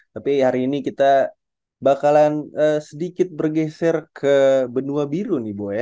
tapi hari ini kita bakalan sedikit bergeser ke benua biru